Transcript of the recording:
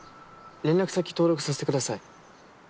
連絡先登録させてください。